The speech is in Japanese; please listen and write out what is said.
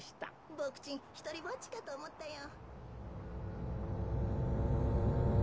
ボクちんひとりぼっちかとおもったよ。